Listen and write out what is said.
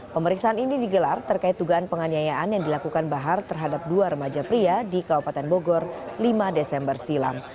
pemeriksaan ini digelar terkait dugaan penganiayaan yang dilakukan bahar terhadap dua remaja pria di kabupaten bogor lima desember silam